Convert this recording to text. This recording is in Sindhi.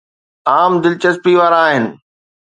عام دلچسپي وارا آهن